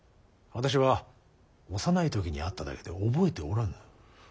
私は幼い時に会っただけで覚えておらぬ。